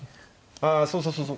ああそうそうそうそう。